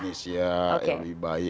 apa indonesia lebih baik